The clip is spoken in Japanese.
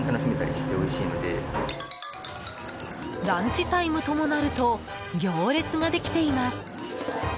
ランチタイムともなると行列ができています。